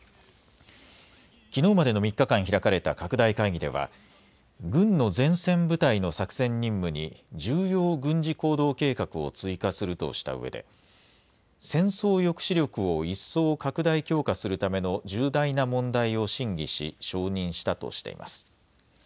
きのうまでの３日間開かれた拡大会議では軍の前線部隊の作戦任務に重要軍事行動計画を追加するとしたうえで戦争抑止力を一層、拡大・強化するための重大な問題を審議し承認したとしています。